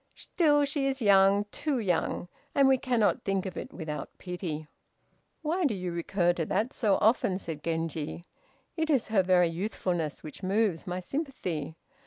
Still she is young, too young, and we cannot think of it without pity." "Why do you recur to that so often?" said Genji, "it is her very youthfulness which moves my sympathy.